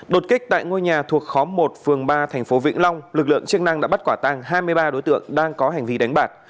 đột kích tại ngôi nhà thuộc khóm một phường ba thành phố vĩnh long lực lượng chức năng đã bắt quả tăng hai mươi ba đối tượng đang có hành vi đánh bạc